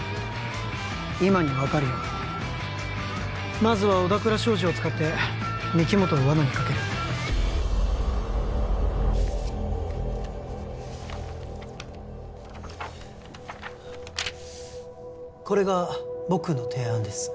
今に分かるよまずは小田倉商事を使って御木本をワナにかけるこれが僕の提案です